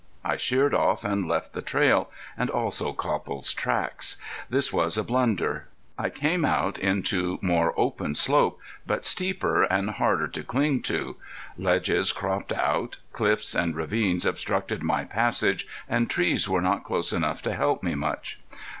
I sheered off and left the trail, and also Copple's tracks. This was a blunder. I came out into more open slope, but steeper, and harder to cling on. Ledges cropped out, cliffs and ravines obstructed my passage and trees were not close enough to help me much.